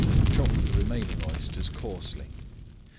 Chop the remaining oysters coarsely.